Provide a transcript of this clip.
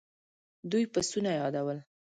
دوی پسونه يادول.